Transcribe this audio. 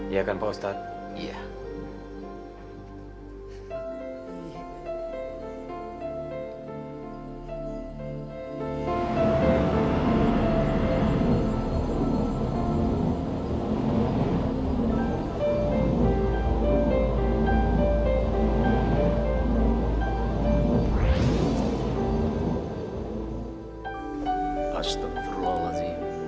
iya kan pak ustadz